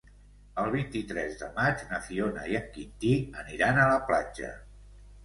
El vint-i-tres de maig na Fiona i en Quintí aniran a la platja.